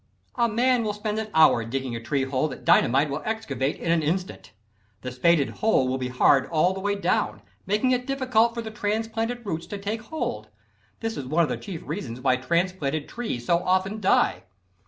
A man will spend an hour digging a tree hole that dynamite will excavate in an instant. The spaded hole will be hard all the way down, making it difficult for the transplanted roots to take hold. This is one of the chief reasons why transplanted trees so often die.